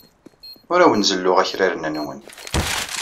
Ur awen-zelluɣ akraren-nwen.